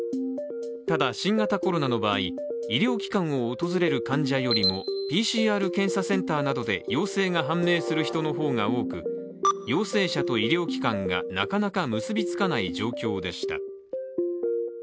ただ、新型コロナの場合、医療機関を訪れる患者よりもＰＣＲ検査センターなどで陽性が判明する人の方が多く陽性者と医療機関がなかなか結びつかない状況でした。